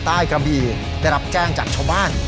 ใต้กรรมยีได้รับแจ้งจากชมบ้าน